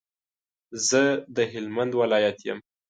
زه د هلمند ولایت یم.